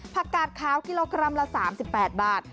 กาดขาวกิโลกรัมละ๓๘บาท